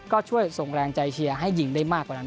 ก็ช่วยส่งแรงใจเชียร์ให้ยิงได้มากกว่านั้น